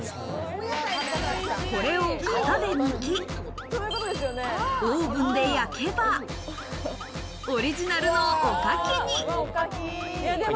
これを型で抜き、オーブンで焼けば、オリジナルのおかきに。